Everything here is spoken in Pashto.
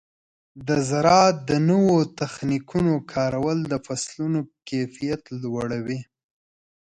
د زراعت د نوو تخنیکونو کارول د فصلونو کیفیت لوړوي.